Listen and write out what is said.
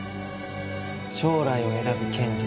将来を選ぶ権利。